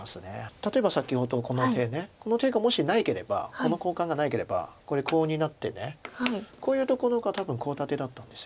例えば先ほどこの手ねこの手がもしなければこの交換がなければこれコウになってこういうところが多分コウ立てだったんです。